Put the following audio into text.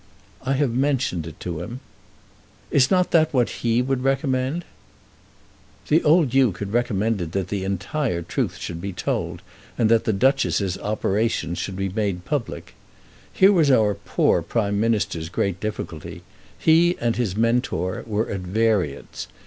"I have mentioned it to him." "Is not that what he would recommend?" The old Duke had recommended that the entire truth should be told, and that the Duchess's operations should be made public. Here was our poor Prime Minister's great difficulty. He and his Mentor were at variance.